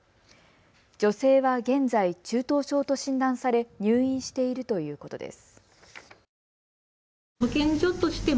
女性は現在、中等症と診断され入院しているということです。